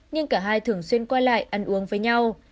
nhưng cả hai thường xuyên qua lại ăn uống với nhau